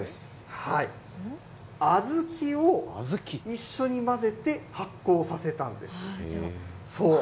小豆を一緒に混ぜて、発酵させたんです。